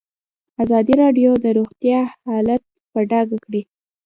ازادي راډیو د روغتیا حالت په ډاګه کړی.